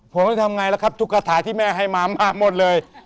ผมจะทำไงล่ะครับทุกคาถาที่แม่ให้มาหมดเลย